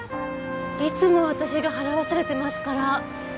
いつも私が払わされてますから。